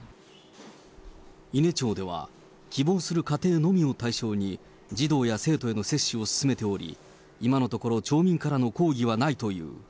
伊根町では、希望する家庭のみを対象に、児童や生徒への接種を進めており、今のところ町民からの抗議はないという。